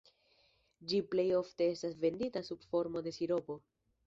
Ĝi plej ofte estas vendita sub formo de siropo.